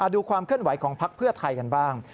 ดูความเคลื่อนไหวของพักเพื่อไทยกันบ้าง